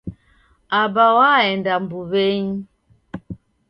Aba waenda mbuwenyi